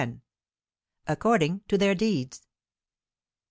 "ACCORDING TO THEIR DEEDS."